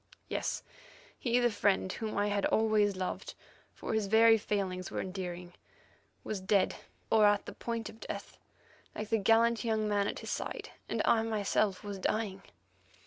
Yes; he, the friend whom I had always loved, for his very failings were endearing, was dead or at the point of death, like the gallant young man at his side, and I myself was dying.